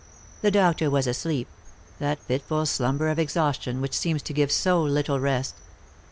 The doctor was asleep — that fitful slumber of exhaustion which seems to give so little rest.